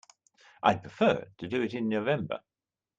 I would prefer to do it in November.